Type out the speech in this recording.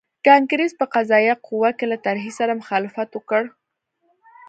کانګریس په قضایه قوه کې له طرحې سره مخالفت وکړ.